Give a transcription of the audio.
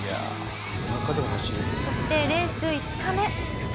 そしてレース５日目。